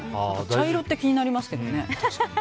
茶色って気になりますけどね。